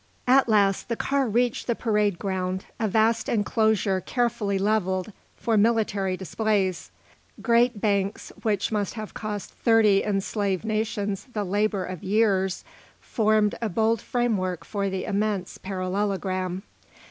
At last the car reached the parade ground, a vast enclosure carefully levelled for military displays. Great banks, which must have cost thirty enslaved nations the labour of years, formed a bold framework for the immense parallelogram.